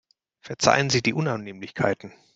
Verzeihen Sie die Unannehmlichkeiten.